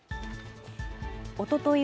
おととい